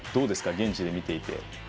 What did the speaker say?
現地で見ていて。